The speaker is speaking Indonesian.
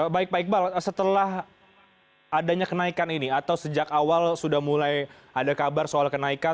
baik pak iqbal setelah adanya kenaikan ini atau sejak awal sudah mulai ada kabar soal kenaikan